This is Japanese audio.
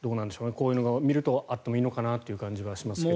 こういうのを見るとあってもいいのかなという感じがしますけど。